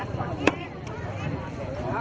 สวัสดีทุกคน